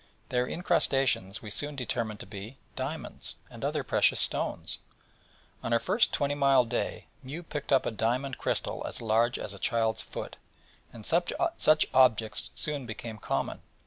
Their incrustations we soon determined to be diamonds, and other precious stones. On our first twenty mile day Mew picked up a diamond crystal as large as a child's foot, and such objects soon became common.